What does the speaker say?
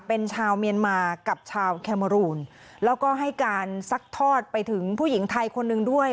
เป็นชาวเมียนมากับชาวแคโมรูนแล้วก็ให้การซัดทอดไปถึงผู้หญิงไทยคนหนึ่งด้วย